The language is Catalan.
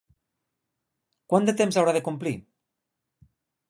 Quant de temps haurà de complir?